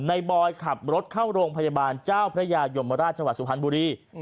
บอยขับรถเข้าโรงพยาบาลเจ้าพระยายมราชจังหวัดสุพรรณบุรี